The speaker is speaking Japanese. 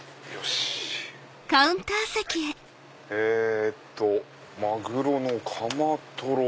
えっとマグロのカマトロ。